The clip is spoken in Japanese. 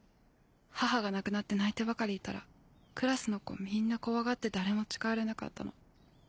母が亡くなって泣いてばかりいたらクラスの子みんな怖がって誰も近寄れなかったの。